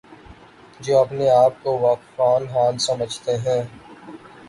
جو اپنے آپ کو واقفان حال سمجھتے ہیں۔